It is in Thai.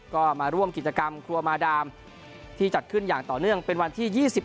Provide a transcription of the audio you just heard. ก็มาร่วมกิจกรรมครัวมาดามที่จัดขึ้นอย่างต่อเนื่องเป็นวันที่๒๑